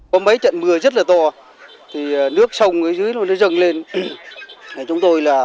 có mấy trận mưa rất là to nước sông dưới nó dâng lên